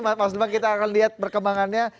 mas lubang kita akan lihat perkembangannya